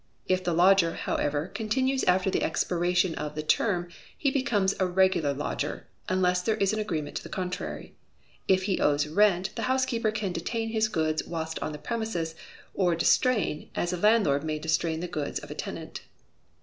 If the lodger, however, continues after the expiration of the term, he becomes a regular lodger, unless there is an agreement to the contrary. If he owes rent, the housekeeper can detain his goods whilst on the premises, or distrain, as a landlord may distrain the goods of a tenant.